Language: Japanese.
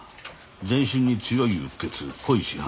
全身に強いうっ血濃い死斑。